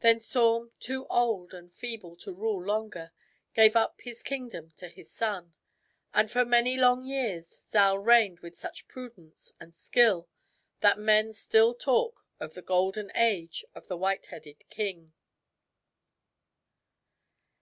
Then Saum, too old and feeble to rule longer, gave up his kingdom to his son. And for many long years Zal reigned with such prudence and skill that men still talk of the golden age of the white headed king.